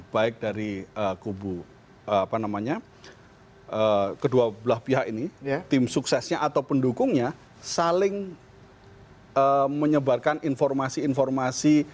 baik dari kubu kedua belah pihak ini tim suksesnya atau pendukungnya saling menyebarkan informasi informasi